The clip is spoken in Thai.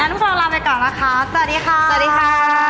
อย่างนั้นเราลาไปก่อนแล้วค่ะสวัสดีค่ะสวัสดีค่ะ